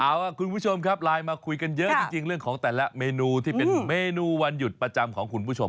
เอาล่ะคุณผู้ชมครับไลน์มาคุยกันเยอะจริงเรื่องของแต่ละเมนูที่เป็นเมนูวันหยุดประจำของคุณผู้ชม